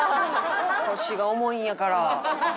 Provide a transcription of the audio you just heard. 腰が重いんやから。